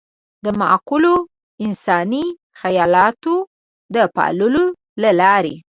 د معقولو انساني خيالاتو د پاللو له لارې.